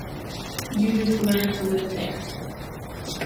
You just learn to live there.